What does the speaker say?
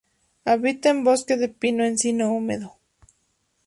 Habita en bosque de pino-encino húmedo.